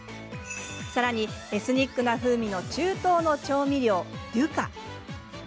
さらに、エスニックな風味の中東の調味料、デュカ。